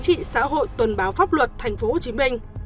trị xã hội tuần báo pháp luật tp hcm